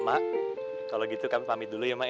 mak kalo gitu kami pamit dulu ya mak